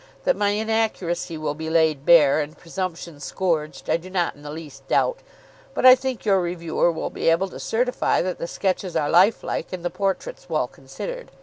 That my inaccuracy will be laid bare and presumption scourged I do not in the least doubt, but I think your reviewer will be able to certify that the sketches are life like and the portraits well considered.